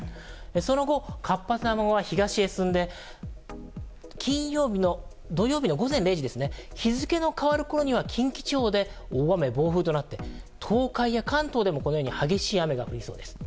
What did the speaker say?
その後、活発な雨雲は東へ進んで土曜日の午前０時日付が変わるころには近畿地方で大雨・暴風となって東海や関東でも激しい雨が降りそうです。